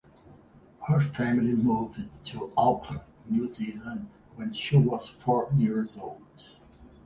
Her family moved to Auckland, New Zealand when she was four years old.